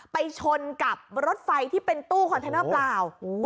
ไปชนกับรถไฟที่เป็นตู้คอนเทนเนอร์เปล่า